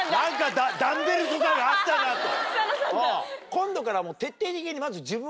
今度から。